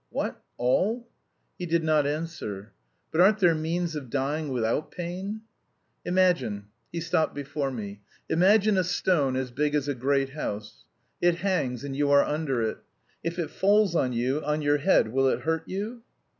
"What, all?" He did not answer. "But aren't there means of dying without pain?" "Imagine" he stopped before me "imagine a stone as big as a great house; it hangs and you are under it; if it falls on you, on your head, will it hurt you?"